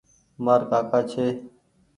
مآر ڪآڪآ ڇي۔